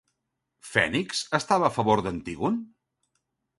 Fènix estava a favor d'Antígon?